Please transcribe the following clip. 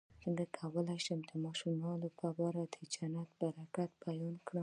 څنګه کولی شم د ماشومانو لپاره د جنت د برکت بیان کړم